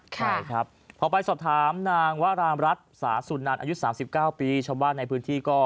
ใช่ครับพอไปสอบถามนางวรามรัฐสาสุนันอายุ๓๙ปีชาวบ้านในพื้นที่ก็